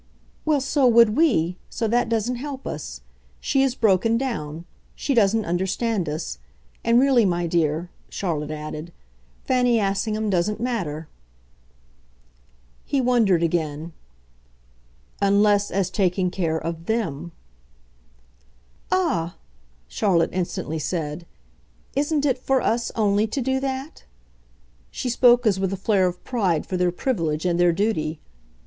"Well, so would we so that doesn't help us. She has broken down. She doesn't understand us. And really, my dear," Charlotte added, "Fanny Assingham doesn't matter." He wondered again. "Unless as taking care of THEM." "Ah," Charlotte instantly said, "isn't it for us, only, to do that?" She spoke as with a flare of pride for their privilege and their duty.